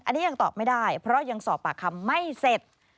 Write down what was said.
อันนี้ยังตอบไม่ได้เพราะยังสอบปากคำไม่เสร็จ